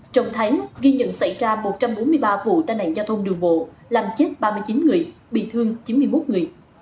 trong tháng ghi nhận xảy ra một trăm bốn mươi ba vụ tai nạn giao thông đường bộ làm chết ba mươi chín người bị thương chín mươi một người